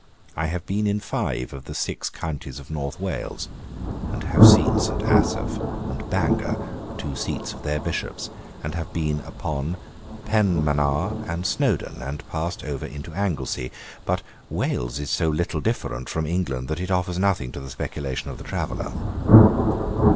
I have been in five of the six counties of North Wales; and have seen St. Asaph and Bangor, the two seats of their Bishops; have been upon Penmanmaur and Snowden, and passed over into Anglesea. But Wales is so little different from England, that it offers nothing to the speculation of the traveller.